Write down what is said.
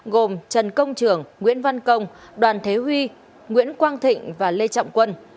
gồm trần công trường nguyễn văn công đoàn thế huy nguyễn quang thịnh và lê trọng quân